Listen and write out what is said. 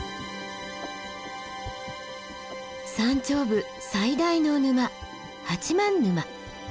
山頂部最大の沼八幡沼。